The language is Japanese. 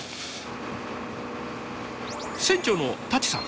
船長の館さん